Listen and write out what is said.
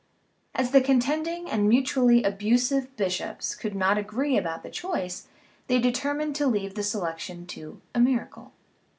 As the contending and mutually abusive bishops could not agree about the choice, they determined to leave the selection to a miracle.